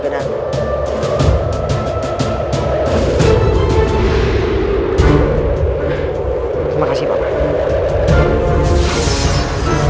terima kasih pak ma